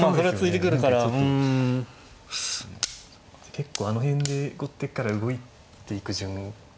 結構あの辺で後手から動いていく順っていうのは。